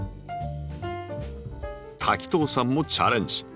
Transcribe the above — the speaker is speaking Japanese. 滝藤さんもチャレンジ！